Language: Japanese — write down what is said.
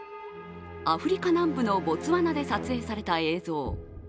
アフリカ南部のボツワナで撮影された映像。